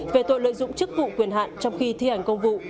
về tội lợi dụng chức vụ quyền hạn trong khi thi hành công vụ